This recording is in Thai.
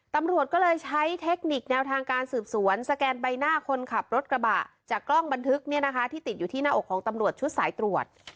ตำรวจก็เลยใช้เทคนิคแนวทางการสืบสวนสแกนใบหน้าคนขับรถกระบะจากกล้องบันทึกเนี่ยนะคะที่ติดอยู่ที่หน้าอกของตำรวจชุดสายตรวจ